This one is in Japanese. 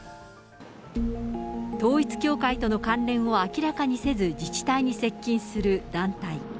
統一教会との関連を明らかにせず、自治体に接近する団体。